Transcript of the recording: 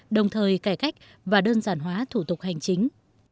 đồng thời cải cách và đơn giản hóa thủ tục hành chính